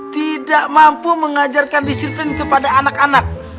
tidak mampu mengajarkan disiplin kepada anak anak